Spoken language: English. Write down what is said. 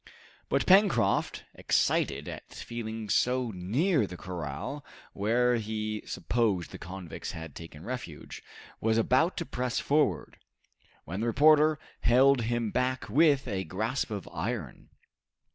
But Pencroft, excited at feeling himself so near the corral where he supposed the convicts had taken refuge, was about to press forward, when the reporter held him back with a grasp of iron.